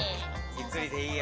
ゆっくりでいいよ。